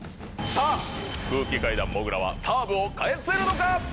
空気階段・もぐらはサーブを返せるのか？